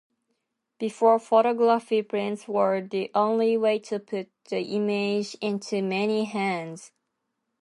Before photography, prints were the only way to put the image into many hands.